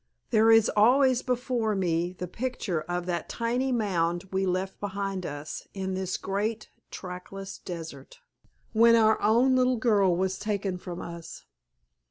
There is always before me the picture of that tiny mound we left behind us in this great trackless desert when our own little girl was taken from us.